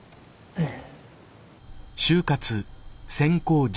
うん。